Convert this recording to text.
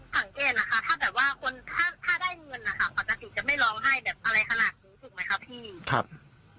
สังเกตนะคะถ้าได้เงินความนักศึกจะไม่ร้องให้แบบอะไรขนาดนี้ถูกไหมครับพี่